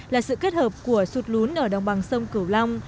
là sự kết hợp của sụt lún ở đồng bằng sông cửu long